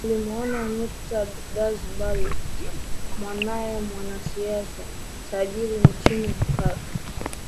alimuoa Mirta DiazBalart mwanae mwanasiasa tajiri nchini Cuba